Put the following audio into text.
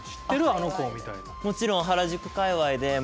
あの子」みたいな。